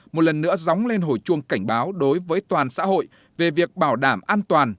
một lần nữa dóng lên hồi chuông cảnh báo đối với toàn xã hội về việc bảo đảm an toàn